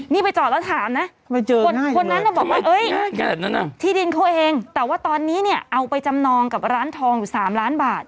นี่ไปจอดแล้วถามนะคนนั้นบอกว่าที่ดินเขาเองแต่ว่าตอนนี้เนี่ยเอาไปจำนองกับร้านทองอยู่๓ล้านบาท